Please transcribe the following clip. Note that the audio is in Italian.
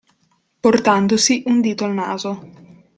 Portandosi un dito al naso.